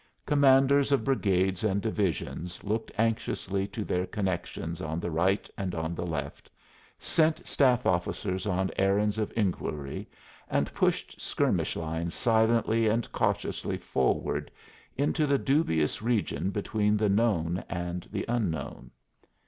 Commanders of brigades and divisions looked anxiously to their connections on the right and on the left, sent staff officers on errands of inquiry and pushed skirmish lines silently and cautiously forward into the dubious region between the known and the unknown.